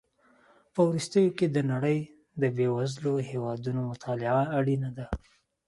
په وروستیو کې د نړۍ د بېوزلو هېوادونو مطالعه اړینه ده.